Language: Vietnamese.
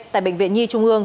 tại bệnh viện nhi trung ương